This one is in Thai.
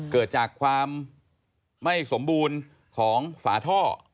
เกิดจากความไม่สมบูรณ์ของฝาท่อ